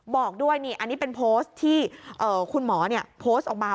บอกด้วยนี่อันนี้เป็นโพสต์ที่คุณหมอโพสต์ออกมา